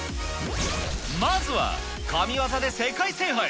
まずは神業で世界制覇へ！